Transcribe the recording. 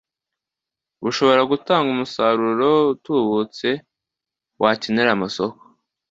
bushobora gutanga umusaruro utubutse wakenera amasoko.